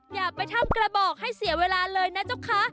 อย่าไปทำกระบอกให้เสียเวลาเลยนะเจ้าคะ